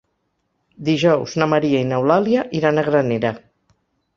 Dijous na Maria i n'Eulàlia iran a Granera.